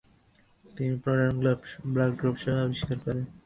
তিনি প্রধান ব্লাড গ্রুপসমূহ আবিষ্কার করেন ।